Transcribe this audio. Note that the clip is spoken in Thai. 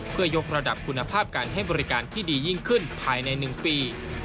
เพื่อยกระดับคุณภาพการให้บริการที่ดียิ่งขึ้นภายใน๑ปี